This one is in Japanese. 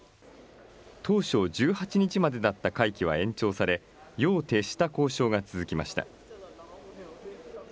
当初、１８日までだった会期は延長され、夜を徹した交渉が続きました。